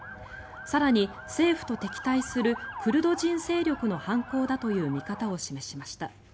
更に、政府と敵対するクルド人勢力の犯行だという見方を示しました。